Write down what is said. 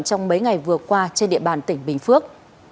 trong mấy ngày vừa qua trên địa bàn tỉnh bình phước